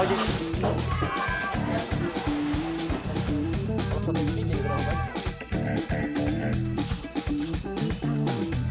ini berat bro